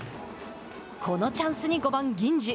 このチャンスに５番銀次。